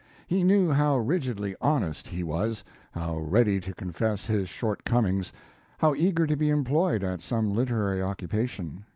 He knew how rigidly honest he was, how ready to confess his shortcomings, how eager to be employed at some literary occupation.